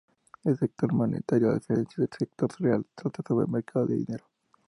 El sector monetario, a diferencia del sector real, trata sobre el mercado del dinero.